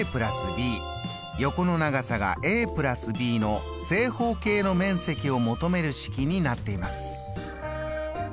ｂ横の長さが＋ｂの正方形の面積を求める式になっています。